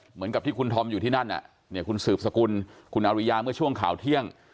เหมือนกับที่คุณธอมอยู่ที่นั่นคุณสืบสกุลคุณอริยาเมื่อช่วงข่าวเที่ยง